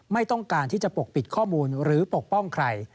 ไม่ต้องการที่จะปกปิดข้อมูลหรือปกป้องใคร